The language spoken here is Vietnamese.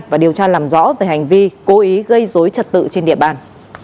và điều tra làm rõ về hành vi cố ý gây dối trật tự trên địa bàn